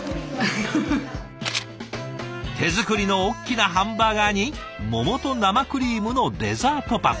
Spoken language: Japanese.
手作りの大きなハンバーガーに桃と生クリームのデザートパン。